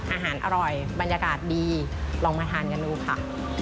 อาหารอร่อยบรรยากาศดีลองมาทานกันดูค่ะ